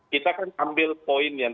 kita kan ambil poin yang